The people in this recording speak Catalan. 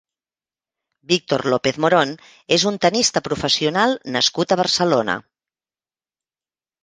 Víctor López Morón és un tennista professional nascut a Barcelona.